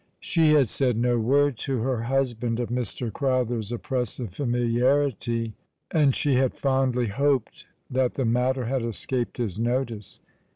She had said no word to her husband of ]\Ir. Crowtber's oppressive famiharity, and she had fondly hoped that the matter had escaped his notice.